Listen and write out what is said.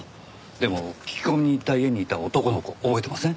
でも聞き込みに行った家にいた男の子覚えてません？